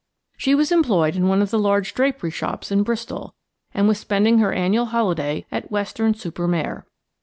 She was employed in one of the large drapery shops in Bristol, and was spending her annual holiday at Weston super Mare.